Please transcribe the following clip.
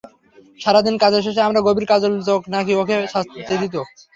সারা দিন কাজের শেষে আমার গভীর কাজল চোখ নাকি ওকে শান্তি দিত।